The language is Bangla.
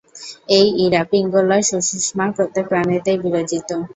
এই ইড়া, পিঙ্গলা, সুষুম্না প্রত্যেক প্রাণীতেই বিরাজিত।